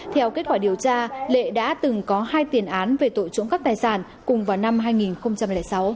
theo kết quả điều tra lệ đã từng có hai tiền án về tội trộm cắp tài sản cùng vào năm hai nghìn sáu